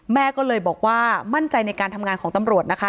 แม่ก็เลยบอกว่ามั่นใจในการทำงานของตำรวจนะคะ